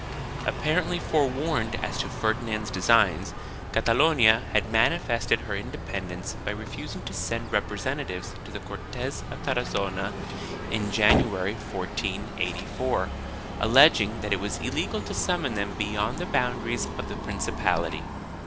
1 Apparently forewarned as to Ferdinand's designs, Catalonia had manifested her independence by refusing to send representa tives to the Cortes of Tarazona in January, 1484, alleging that it was illegal to summon them beyond the boundaries of the prin cipality.